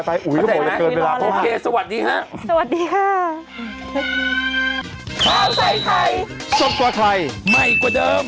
ไปโอเคสวัสดีค่ะ